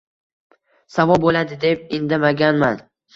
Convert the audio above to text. Savob bo`ladi, deb indamaganman